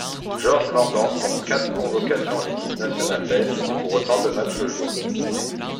Georges Mordant compte quatre convocations en équipe nationale belge, pour autant de matches joués.